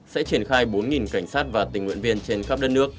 sẽ triển khai bốn cảnh sát và tình nguyện viên trên khắp đất nước